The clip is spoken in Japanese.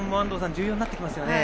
重要になってきますね。